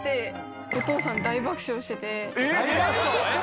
大爆笑ね！